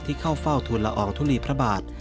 เข้าเฝ้าทุนละอองทุลีพระบาท